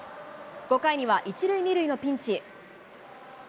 ５回には１塁２塁のピンチ。